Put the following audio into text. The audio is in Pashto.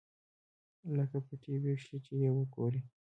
لکه په ټي وي کښې چې يې وګورې.